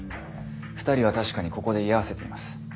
２人は確かにここで居合わせています。